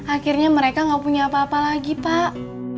akhirnya mereka gak punya apa apa lagi pak